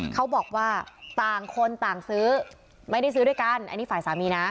เขาบอกว่าต่างคนต่างซื้อไม่ได้ซื้อด้วยกันอันนี้ฝ่ายสามีนะ